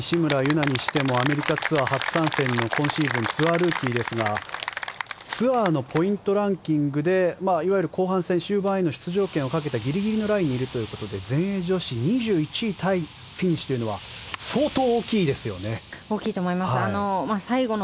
勝みなみにしても西村優菜にしてもアメリカツアー初参戦の今シーズンツアールーキーですがツアーのポイントランキングですが後半戦、出場権をかけたギリギリのラインにいるということで全英女子、２１位タイフィニッシュというのは大きいと思います。